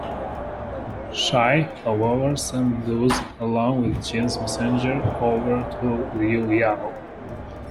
Shi, however, sent those, along with Jin's messenger, over to Liu Yao.